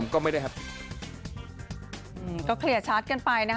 ก็เคลี่ยร์ชัดกันไป